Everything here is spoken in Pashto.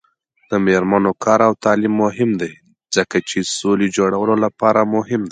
د میرمنو کار او تعلیم مهم دی ځکه چې سولې جوړولو لپاره مهم دی.